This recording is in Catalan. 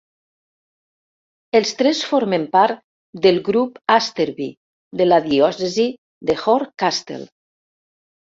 Els tres formen part del grup Asterby de la Diòcesi de "Horncastle".